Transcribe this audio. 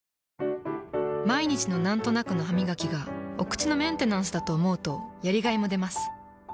毎日のなんとなくのハミガキがお口のメンテナンスだと思うとやりがいもでます。